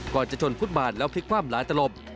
ก่อนจะชนฟุตบาทแล้วพลิกคว่ำหลายตลบ